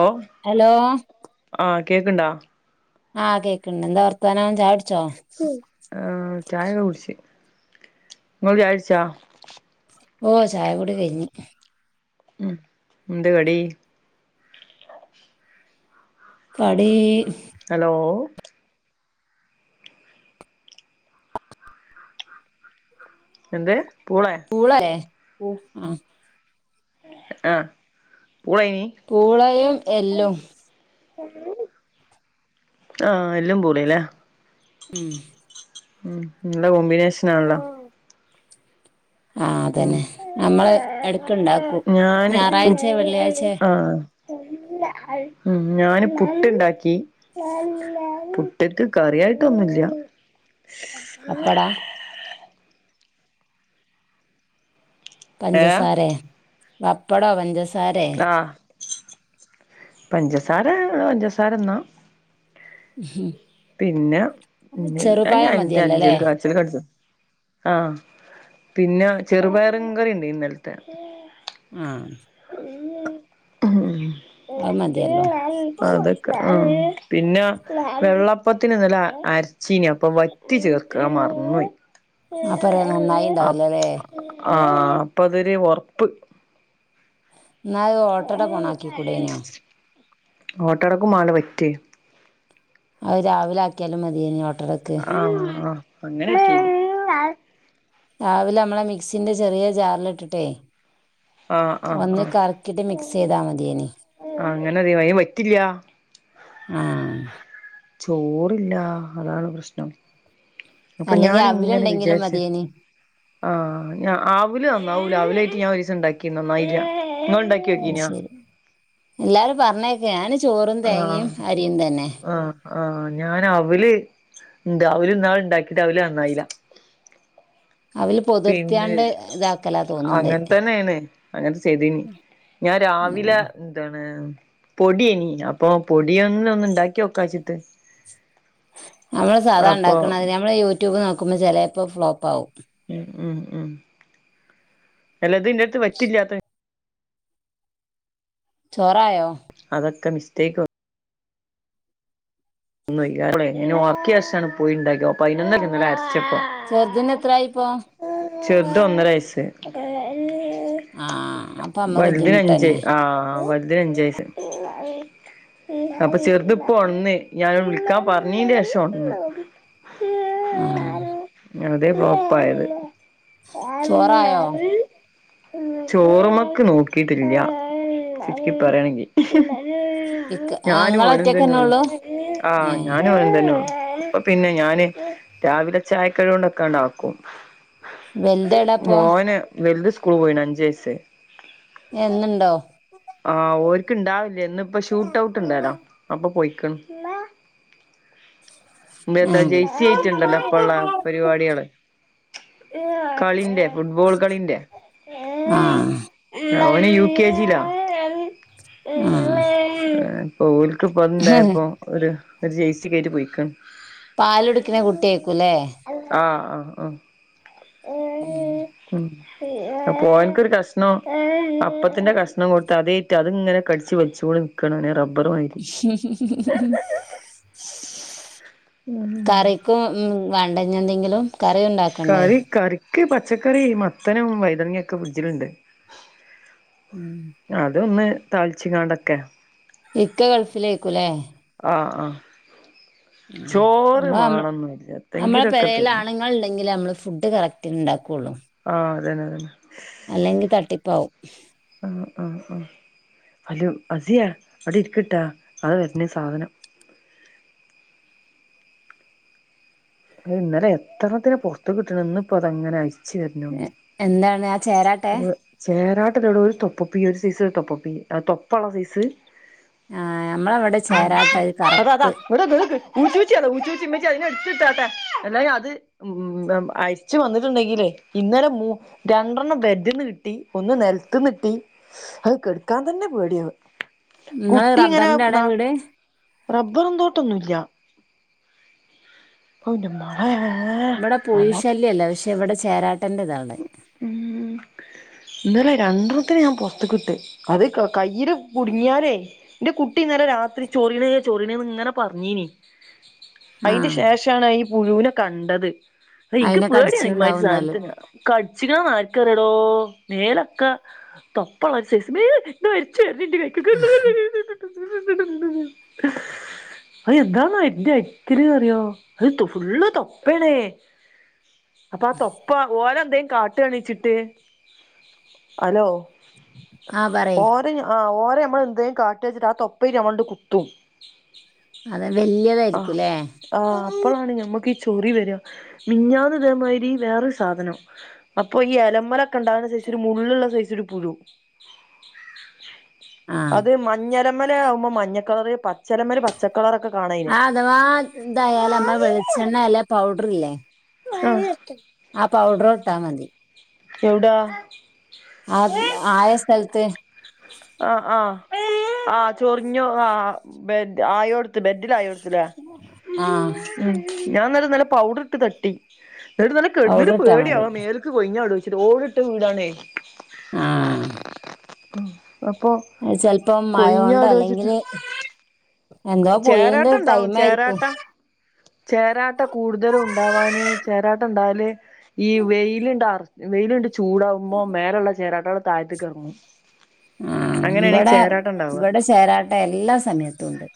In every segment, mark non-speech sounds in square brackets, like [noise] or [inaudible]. ഓഹ് hello ആ കേക്ക്ണ്ടാ ആ കേക്കണ്ട് എന്താ വർത്താനം ചായൊടിച്ചോ ആ ചായേക്ക കുടിച്ച് ഇങ്ങള് ചായ കുടിച്ചാ ഓ ചായകുടി കഴിഞ്ഞ് ന്ത് കടി കടീ ഹലോ എന്ത് പൂളെ പൂളാലെ മ് ആഹ് ആ പൂളായീനി പൂളയും എല്ലും ആ എല്ലും പൂളീം ല്ലേ മ് ഉം നല്ല കോമ്പിനേഷനാണല്ലോ ആ ഉം അതന്നെ നമ്മള് എടക്ക്‌ ഇണ്ടാക്കും ഞായറാഴ്ച്ചെ വെള്ളിയാഴ്ച്ചെ- മ് ഞാന് പുട്ട്ണ്ടാക്കി പുട്ട്ക്ക് കറിയായിട്ടൊന്നുല്ല്യ പാപ്പാടവാ പഞ്ചസാരയോ പപ്പടോ പഞ്ചസ്‌ ആ പഞ്ചസാര പഞ്ചസാര തിന്നാ മ്മ്ഹ് [unintelligible] പിന്നെ മതിയല്ലോല്ലേ ന്നെന്താ [unintelligible] ആ പിന്നെ ചെറുപയറും കറിയിണ്ട് ഇന്നലത്തെ ആഹ് മ് അത് മതിയല്ലോ അതൊ [unintelligible] ആ പിന്നെ വെള്ളപ്പത്തിന് ഇന്നലെ അരച്ചീനി അപ്പൊ വ ത്തി ചേർക്കാൻ മറന്ന്പോയി അപ്പ എങ്ങനാ നന്നായിണ്ടാവലല്ലേ ആഹ അപ്പൊ അതൊരു വെറുപ്പ് എന്നാൽ അത് ഓട്ടട പണ ആക്കിക്കൂടനോ ഓട്ടടക്കും വാണം വറ്റ് അത് രാവില ആക്കിയാലും മതിയിനി ഓട്ട - ആഹ് ആഹ് അങ്ങനെ [unintelligible] റ്റും രാവിലെ നമ്മളെ മിക്സിന്റെ ചെറിയ ജാറിലിട്ടിട്ടേ- ആഹ് ആഹ് ഒന്ന് കറക്കിട്ട് മിക്സ് ചെയ്താ മതിയേനി അങ്ങനെതി അയ് [unintelligible] ൻ വറ്റില്ല [unintelligible] ആഹ് ചോറില്ല അതാണ് പ്രശ്നം അപ്പൊ അല്ലെങ്കി ഞാനിങ്ങനെ അവിലുണ്ടെങ്കിലും വിചാരിച്ച്- മതിയേനി ആഹ് ഞാ ആവോലി നന്നാവൂല അവോലിയിട്ട് ഞാൻ ഒരു ദിവസം ഉണ്ടാക്കിന്നു നന്നായില്ല നിങ്ങള് - അയ്ശരി എല്ലാരും പറഞ്ഞേക്ക ഞാന് ചോറും തേങ്ങിയും അരിയും തന്നെ ആ ഞാൻ അവല് ഇണ്ട് അവല് ഇന്നാളി ഇണ്ടാക്കിട്ട് അവല് നന്നായില്ല അവല് പിന്നെ പൊതിർത്തിയാണ്ട് ഇതാക്കലാ തോന്നുന്നുണ്ട് അങ്ങനെ തന്നെയാണ് അങ്ങന ചെയ്തനി ഞാൻ രാവിലെ- എന്താണ് പൊടിയനി അപ്പൊ പൊടി ഒന്ന് ഒന്ന് ഇണ്ടാക്കി നോക്കാച്ചിട്ട്- നമ്മള് സാധാ അപ്പൊ ഉണ്ടാക്കണതിരി നമ്മള് യൂട്യൂബ് നോക്കുമ്പോ ചെലെപ്പോ ഫ്ലോപ്പ് ആകും ഉം ഉം ഉം അല്ലത് ഇ [unintelligible] ങ്ങക്ക് വറ്റില്ലാത് ചോറായോ അതൊക്കെ മിസ്റ്റേക്ക് ഒ- ഒന്ന് വയ്യാതായി പോയി ഉണ്ടാക്ക അപ്പൊ പതിനൊ [unintelligible] ന്ന്ണി അരച്ചകും ചെറുതിന് എത്രയായി ഇപ്പൊ ചെറുതിന് ഒന്നര വയസ് ആഹ് അപ്പൊ അമ്മ വലുതിന് അഞ്ച് ബുദ്ധിമുട്ടന്നെ ആഹ് വലുതിന് അഞ്ച് വയസ് അപ്പൊ ചെറുത് ഇപ്പോ ഒന്ന് ഞാൻ വിളിക്കാൻ പറഞ്ഞീന്റെ ശേഷം ഒന്ന് ആഹ് അതെ ഫ്ലോപ്പായത് ചോറായോ ചോറു [unintelligible] മക്ക് നോക്കിട്ടില്ല ചുരിക്കി പറയാണെങ്കിൽ ഇക്ക ഞാനും ഇങ്ങള് ഓനും ഒറ്റക്കന്നെ തന്നെയുള്ളു ഉള്ളൂ ആ ഏഹ് ഞാനും ഓനും തന്നെയുള്ളു പിന്നെ ഞാന് രാവിലെ ചായക്കടികളൊക്കെ ഒണ്ടാക്കും വലുതെവിടാപ്പൊ മോന് വലുത് സ്കൂള് പോയിണ് അഞ്ച് വയസ് എന്നുണ്ടോ ആഹ് ഓൽക്ക് ഉണ്ടാവലില്ല ഇന്ന് ഇപ്പോ ഷൂട്ട് ഔട്ട് ഉണ്ടാലോ അപ്പൊ പോയ്ക്ക്ണ് ഇമ്മ ആഹ് ന്ന്ത്തജെയ്സിയിട്ടുണ്ടല്ലോ ഇപ്പ ഉള്ള പരിപാടികള് കളിന്റെ ഫുട്ബോൾ കളിന്റെ ആഹ് അവന് യു കെ ജിലാ ആഹ് ഓലക്ക് പോന്നത്ണ്ടായപ്പോ ഒരു ജേയ്സികേറ്റ് പോയിക്കണ് പാലുടുക്ക്ണ കുട്ടിയേക്കൂല്ലേ ആഹ് ആഹ് ഉം ഉം മോൻക്കൊരു കഷ്ണം അപ്പത്തിന്റെ കഷ്ണം കൊടുത്ത് അതേറ്റ് അതേയ്റ്റ് ഇങ്ങനെ കടിച്ചു വെച്ചോണ്ട് ക റബർ വയ് [inaudible] കറിക്കും വാണ്ടെ എന്തെങ്കിലും കറി ഉണ്ടാക്കണ്ടേ ഒക്കെ പച്ചക്കറി മത്തനും വൈതൻങ്ങി ഒക്കെ ഫ്രിഡ്ജിലുണ്ട് ഉം അതൊന്ന് താളിച്ച്ങ്ങാണ്ടക്കെ ഇക്ക ഗൾഫിലേക്കുംല്ലേ ആഹ് ആഹ് ഉം ചോറ് നമ്മ വാണന്നില്ല ന്തങ്കിലൊക്കെ തിന്ന അല്ലങ്കിൽ ഉണ്ടെങ്കിൽ നമ്മള് ഫുഡ് കറക്റ്റ് ഉണ്ടാക്കുകയുള്ളൂ ആഹ് അതന്നെ അതന്നെ അല്ലെങ്കി തട്ടിപ്പാവും ആഹ് ആഹ് ആഹ് അല് അസിയാ അവിടെ ഇരിക്ക്ട്ടാ അത് വരുന്ന് സാധനം ഇന്നലെ എത്രത്തിനെ പുറത്ത് ഇട്ട്ക്ക്ണ് ഇപ്പ തങ്ങനെ അരി എന്താണ് ആഹ് ചേരാട്ടെ ചേരാട്ടല്ലടോ ഇവിടെ ഒരു തൊപ്പൊപ്പി ഒരു സൈസ് തൊപ്പൊപ്പി തൊപ്പള്ള സൈസ് ആഹ് നമ്മളവിടെ ചേരാട്ട കറ്പ്പ് ഇവിടെഇക്ക് ഊച്ചുച്ചിയാണ് ഉച്ചൂച്ചി ഇമ്മച്ചി അയിനെ എടുത്തിട്ടാട്ട് എല്ലാരും അത് ഉം അരിച്ചു വന്നിട്ടുണ്ടെങ്കില് ഇന്നലെ മൂ- രണ്ടെണ്ണം ബെഡിന്ന് കിട്ടി ഒന്ന് നിലത്ത്ന്ന് കിട്ടി അത് കെടുക്കാൻ തന്നെ പേടിയാവ നിങ്ങള് കുട്ടി ഇങ്ങനെ റബ്ബറിന്റെ ആടെ ന്നാ വീട് റബ്ബർ തോട്ടൊന്നുല്ല ഹോ ന്റെ മാളെ ബല്ലാത്ത പക്ഷേ ഇവിടെ ചേരാട്ടൻ്റെതാണ് ഉം ഇന്നലെ രണ്ടെണ്ണത്തിന് ഞാൻ പുറത്ത്ക്ക് ഇട്ട് അത് കയ്യിൽ കുടുങ്ങിയാലേ എന്റെ കുട്ടി ഇന്നലെ രാത്രി ചൊറീണ് ചൊറീണ് ഇങ്ങനെ പറഞ്ഞീന് [inaudible] അതിന്റെ ശേഷമാണ് ഈ പുഴുവിനെ കണ്ടത് ആ ഇനിക്ക് അയിനെ പേടിയാണ് ഇമ്മാതിരി കടിച്ചിട്ടുണ്ടാവും എന്നാല് സാധനത്തിനെ കടിച്ചിക മാറിക്കറടോ മേലൊക്കെ തൊപ്പ മാരി സൈസ് മ്മെ അരിച്ച് പോയ്‌ ന്റെ കൈ [inaudible] അത് എന്താണോ എ ഇത്തിരി അറിയോ അത് ഫുള്ള് തൊപ്പേണേ അപ്പൊ ആഹ് തൊപ്പ ഓരോ എന്തേ- കാട്ട് ആണിച്ചിട്ട് ഹലോ ആഹ് പറയ് ആഹ് ഓരെ നമ്മള് എന്തലും കാട്ട് വെച്ചിട്ട് ആഹ് തൊപ്പ നമ്മളണ്ട് കുത്തും അതെ വല്ല്യതായിരിക്കുംല്ലേ ആ അപ്പോഴാണ് ഞമ്മക്കീ ചൊറി വര മിഞ്ഞാന്ന് തേമാതിരി വേറൊരു സാധനം അപ്പൊ ഈ എലമല ണ്ടാകുന്ന സൈസ് മുള്ള് ഉള്ള സൈസ് ഒരു പുഴു ആ അത് മറ്റെ മഞ്ഞലെമ്മല് ആമ്പോ മഞ്ഞക്കളർ പച്ചലമ്മല് പച്ചക്കളറൊക്കെ കാണ ആ അഥവാ ഇതായാല് നമ്മ വെളിച്ചെണ്ണ അല്ലേ പൗഡർ ഇല്ലേ ആഹ് ആ പൗഡർ ഇട്ടാ മതി എവിടാ അത് ആയ സ്ഥലത്ത് ആഹ് ആഹ് ആഹ് ചൊറിഞ്ഞു ആ ഹ്ബ ആയോടുത്ത് ബെഡിൽ ആയ്ടുത്തു. ആഹ് ഉം ഞാൻ ഇന്നലെ നല്ല പൗഡർ ഇട്ട് തട്ടി ന്നിട്ട് കിടന്നിട്ട് പൗഡർ ഇട്ടാ മതി പേടിയാവാ മേൽ കൊയിഞാടോ വച്ചിട്ട് ഓടിട്ട വീടാണേ ആ അപ്പൊ അത് ചെലപ്പോം മഴ കൊണ്ട് കൊഴിഞ്ഞാടോ വെച്ചിട്ട് അല്ലെങ്കില് എന്താ ചേരാട്ട പുഴുന്റെ ഉണ്ടാവും ടൈം ആയിരിക്കും ചേരാട്ട ചേരാട്ട കൂടുതലും ഉണ്ടവാന് ചേരാട്ട ഉണ്ടാല് ഈ വെയ്ല്ണ്ടാർ വെയില്ണ്ട് ചൂടാഉമ്പോ മേലള്ള ചേരാട്ടാള് താഴത്ത്കർങ്ങും ആഹ് ബടെ ബട ചേരാട്ട എല്ലാ സമയത്തും ഉണ്ട്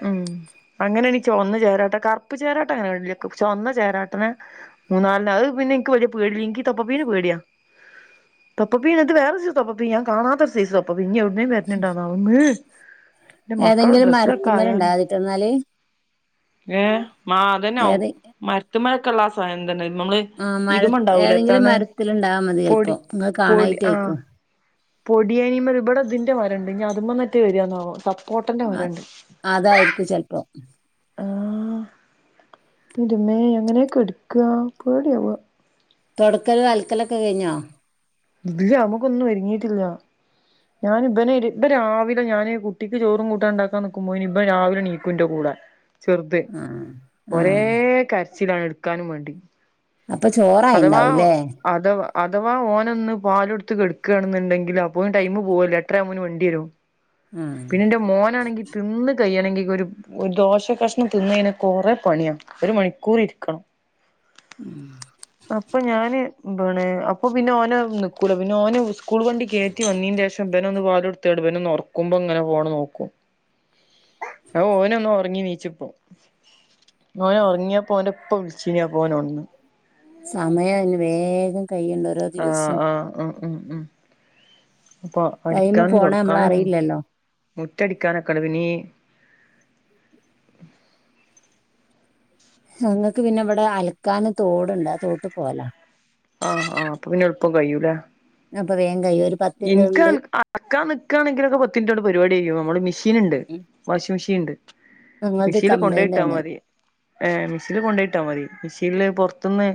ആ അങ്ങനെണി ചൊവന്ന ചേരാട്ട കറപ്പ് ചേരാട്ട അങ്ങനെ കണ്ടില്ലെകും ചൊവന്ന ചേരാട്ടനെ മൂന്നാൽണം അഹ് പിന്നെ ഇൻക്ക് വെല്ല്യ പേടില്ല ഇൻകീ തൊപ്പ പിയ്യ്നെ പേടിആ തൊപ്പ പിയ്യ് അത് വേറ സൈസ് തൊപ്പ പിയ്യ് ഞാൻ കാണാത്തൊര്സെയ്സ് തൊ പ്പ പിന്നിം ഒട്ന്നേം വെര്ന്ന്ണ്ടോണാവം [unintelligible] ൻ്റ മ മക്കെള ഏതെങ്കിലും മരത്തുമ്മല് ഡ്രസ്സിലൊക്കായാലും ഉണ്ടാകാതിട്ടോ എന്നാല് ഏ മാതന്നാ ഉം ഏത് മാര് മരത്ത്മൊക്കെള്ളാ സാനം തന്നെണ് ന്നമ്മ്ള ആഹ് മര ഏതെങ്കിലും മരത്തില്ണ്ടാവാ മതി പൊടി ചെൽപ്പോ ങ്ങള് കാണായ്ട്ടെയ്ക്കും പൊടിയയ്നിമ്മല് ഇബടെ തിന്റെ മരണ്ട് ഞി അത് മന്ന്റ്റെ വെര്ന്നാവോ സപ്പോട്ടന്റെ മരണ്ട് അതായിര്ക്കും ചെൽപ്പം ആ ഹ് ഇൻ്റമോ എങ്ങനെ കെട്ക്ക പേടിയാവ്ണ് തൊട്ക്കലും അൽക്കലൊക്കെ കഴ്ഞ്ഞോ? ഇല്ല അമുക്കൊന്നും ഒരുങ്ങീട്ടില്ല ഞാന് ഇബെനെര് ഇബെൻ രാവിലെ ഞാന് കുട്ടിക്ക് ചോറും കൂട്ടാ ണ്ടാക്കാ ന്ന്ക്കുമ്പോയ്ന് ഇബൻ രാവിലെ ണീക്കും ന്റെ കൂടെ ചെറുത് ആഹ് ഒരേ ആഹ് കരച്ചിലാണ് ഇട്ക്കാനും മാണ്ടി അപ ചോറായിണ്ടാഊലേ അഥവ് അഥവാ ഓനൊന്ന് പാലൊ ട്ത്ത് കെട്ക്ക്ആണെന്ന്ണ്ടെങ്കില് അപ്പോഴും ടൈമ് പോഉഎല്ലോ എട്ടരാഉബോന് വണ്ടി വരും ആഹ് പിന്ന ന്റെ മോനാണെങ്കിൽ തിന്ന് കയ്യണെങ്കി ഒരു ഒര് ദോഷ കഷ്ണം തിന്ന് അയ്നാ കൊറെ പണിയ ഒരു മണിക്കൂർ ഇരിക്കണം മ [inaudible] അപ്പ ഞാന് ന്താണ് അപ്പൊ പിന്നെ ഓന് ന്ന്ക്കൂല പിന്നെ ഓനുസ്കൂൾ വണ്ടി കേ ട്ടി വന്നീൻ്റഏഷംബനെ ഒന്ന് പാലൊട്ത്താണ്ട് വെനൊന്നൊർ ക്കുമ്പം ങ്ങനെ ഫൊണ് ന്നോക്കും [inaudible] അഹ് ഓനൊന്ന് ഒർങ്ങി ന്നീച്ചിപ്പോ ഓനറങ്ങിയപം ഓൻ്റ പ്പ വിളിച്ചീനി അപോനൊ ണർന്ന് സമയം അതിന് വേഗം കയ്യ്ണ്ട് ഓരോ ആ ദിവസവും ഹ് ആഹ്ഹാ മ് മ് മ് പ്പൊ ടൈമ് പടിക്കാനും പോണ തൊട്ക്കാനും നമ്മളറിയില്ലല്ലോ മുറ്റടിക്കാനൊക്കെണ്ട് പിന്ന ഈ ഞങ്ങക്ക് പിന്നെ ഇവടെ അൽക്കാന് തോട്ണ്ട് ആ തോട്ട് പോകലാ ആ ഹ്ആ ഹ്അപ്പ പിന്നെ എളുപ്പം കയ്യൂലേ അപ്പ വേം കയ്യോരും ഇൻക് അലക്കാൻ നിക്കാണെങ്കിലൊക്കെ പത്ത് മിനിറ്റോണ്ട് പരിപാടികയ്യും അമ്മള് മിഷ് ഷീന്ണ്ട് വാഷിംഗ് മിഷീൻണ്ട് ഞങ്ങൾത് മിഷീൻല് കൊണ്ടേ കംപ്ലൈന്റ് ട്ടാ ആണ് മതി ഏമിഷിൻല് കൊണ്ടേയ്ട്ടാ മതി മിഷീൻല് പൊർത്ത്ന്ന്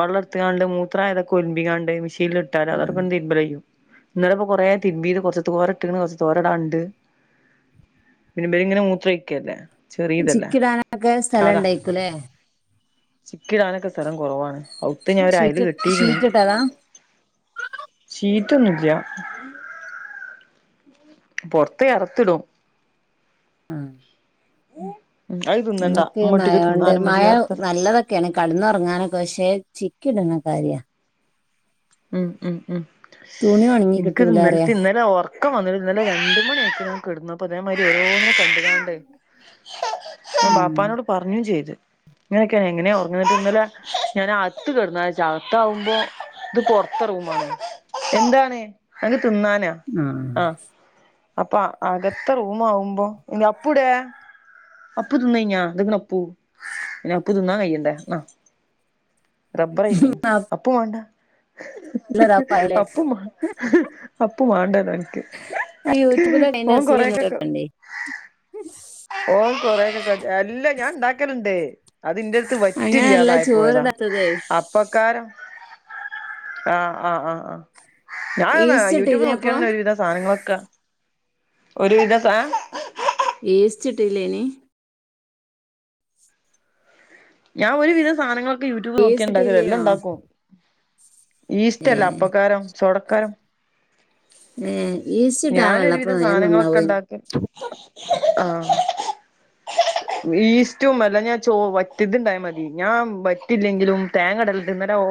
വള്ളട്ത്ത്കാണ്ട് മൂത്രായതൊക്കെ ഒൽമ്പിക്കാണ്ട് മിഷീൻലിട്ടാല് ഉം. അതവിടെക്കെടന്നു തിരുമ്പല് ചെയ്യും ഇന്നലപ്പം കൊറേ തിര്മ്പീത് കൊർച്ച് തോരട്ട്‌ക്കിണ് കൊർച്ച് തോരെടാണ്ട് തിര്മ്പേലിങ്ങനെ മൂത്രൊയ്ക്കല്ലേ ചിക്കിടാനൊക്കെ സ്ഥലണ്ടെയ്ക്കുലേ? ചിക്കി ഇടാനൊക്കെ സ്ഥലം കൊറവാണ് ഔത്ത് ഞാൻ ഒരയ്ല് ഷീറ്റ് കെട്ടീക്ക്ണ് ഷീറ്റ് ഇട്ടതാ ഷീറ്റൊന്നു ഇല്ല്യ പൊർത്ത് എറത്തിടും ഉം അത് തിന്നണ്ട അമക്ക് ഉമ്മട്ടിക്ക് മഴയൊണ്ട് തിന്നാനും ഉമ്മച്ചി മഴ വേറെത്തരാ നല്ലതൊ ക്കെണ് കെടന്നൊർങ്ങാനൊക്കെ പക്ഷേ ചിക്കിടണ കാര്യാ ഇം ഇം ഇം തുണി ഉണങ്ങി ഇൻക്കത് കിട്ടൂല അറിയാ ഇന്നൽത്തിം ഇന്നലെ ഒർ ക്കം വന്നിട്ട് ഇന്നലെ രണ്ട് മണി ആയിട്ട് ഞാൻ കെടന്നത്. അതേമായ്രി ഓരോന്നും കണ്ടുങ്ങാണ്ടെ ഞാൻ ഉം. ബാപ്പാനോട് പർഞ്ഞും ചെയ്ത് ഇങ്ങനെക്കെണ് എങ്ങനെ ഒർങ്ങണത് ഇന്നലെ ഞാന് അത്ത് കെട്ന്നാച്ചി അകത്താവുമ്പോ ഇത് പൊറത്ത റൂമാണ് ആ. അപ്പ അകത്ത റൂമാകുമ്പം അപ്പു തിന്നഞ്ഞാ എക്ക അപ്പു പിന്ന അപ്പു തിന്നാൻ കയ്യണ്ട ആാ റബ്ബർയിക്കുന്നു ആ അപ്പൊ വേണ്ട [inaudible] അപ്പും മാണ്ടല്ലോ എനിക്ക് [unintelligible] ഓൻ കൊറെയൊക്കെ [unintelligible] ഓൻ കൊറേക്കെ [unintelligible] അല്ല ഞാൻ ഇണ്ടാക്കലിണ്ടെ അത് ഇന്റെടുത്ത് അങ്ങനെയല്ല വറ്റില്ലാതായിപ്പോയതാ ചോറിടാത്തതേ അപ്പക്കാരം ആഹ് അഹ് ആഹ് അഹ് ഞാനാ ഈസ്റ്റ് യൂട്യൂബ് ഇട്ടില്ലപ്പോ നോക്കിയാണ് ഒരുവിധം സാധനങ്ങളെക്ക ഒരുവിധം സാ ഈസ്റ്റിട്ടൂല്ലെയ്നി ഞാൻ ഒരുവിധം സാനങ്ങളൊക്കെ യൂട്യൂബ് നോക്കിയാ ഈസ്റ്റ് എണ്ടാക്കല് എല്ലാ ഇട്ടില്ലേനോ ഇണ്ടാക്കും ഏ ഈസ്റ്റല്ല അപ്പക്കാരം സോഡക്കാരം ഏ ഈസ്റ്റ് ഇട്ടാ വെള്ളപ്പം ഞാനൊരുവിധം വേഗം സാനങ്ങളൊക്കെ നന്നാവുന്നു എണ്ടാക്കല് ആഹ് ഈസ്റ്റും അല്ലെ ഞാൻ ചോ വ റ്റിതിണ്ടായാ മതി ഞാൻ വറ്റില്ലെങ്കിലും തേങ്ങടലെണ്ട് എന്നരം